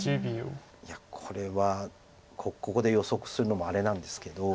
いやこれはここで予測するのもあれなんですけど。